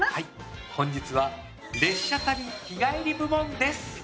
本日は列車旅日帰り部門です。